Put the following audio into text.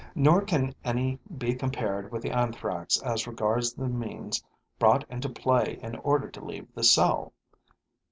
Nor can any be compared with the Anthrax as regards the means brought into play in order to leave the cell.